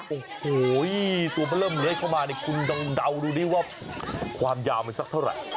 โอ้โหตัวมันเริ่มเลื้อยเข้ามาเนี่ยคุณลองเดาดูดิว่าความยาวมันสักเท่าไหร่